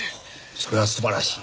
それは素晴らしい。